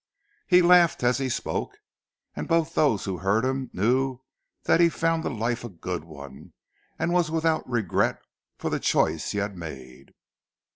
He laughed as he spoke, and both those who heard him, knew that he found the life a good one, and was without regret for the choice he had made.